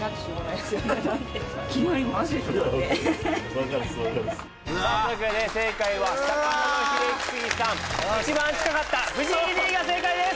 分かりますというわけで正解は魚のヒレイキスギさん一番近かった藤井Ｄが正解です！